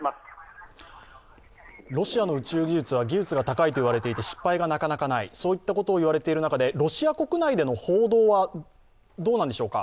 ロシアの宇宙技術は高いと言われていて失敗がなかなかないといったことを言われている中でロシア国内での報道はどうなんでしょうか？